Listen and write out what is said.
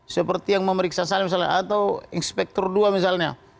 seperti yang memeriksa saya misalnya atau inspektur dua misalnya